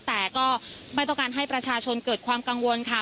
แต่ก็ไม่ต้องการให้ประชาชนเกิดความกังวลค่ะ